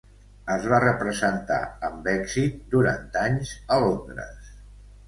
Es va representar amb èxit durant anys a Londres.